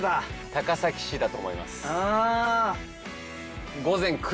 高崎市だと思います。